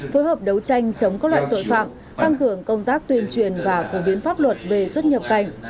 phối hợp đấu tranh chống các loại tội phạm tăng cường công tác tuyên truyền và phổ biến pháp luật về xuất nhập cảnh